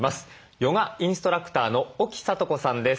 ヨガインストラクターの沖知子さんです。